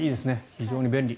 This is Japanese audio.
非常に便利。